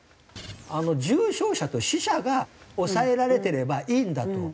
重症者と死者が抑えられてればいいんだと。